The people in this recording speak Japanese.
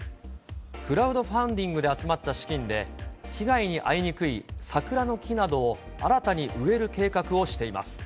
クラウドファンディングで集まった資金で被害に遭いにくい桜の木などを新たに植える計画をしています。